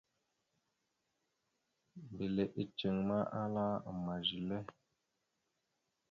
Mbile iceŋ ma, ahala: « Ama zile? ».